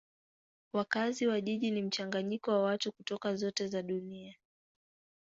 Wakazi wa jiji ni mchanganyiko wa watu kutoka zote za dunia.